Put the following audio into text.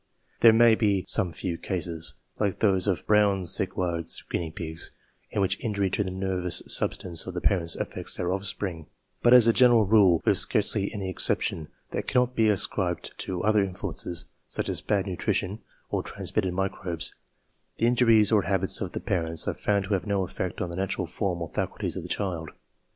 There may be some few cases, like those of Brown Sequard's guinea pigs, in which injury to the nervous substance of the parents affects their offspring ; but as a general rule, with scarcely any exception that cannot be ascribed to other influences, such as bad nutrition or transmitted microbes, the injuries or habits of the parents are found to have no effect on the natural form or faculties of the child.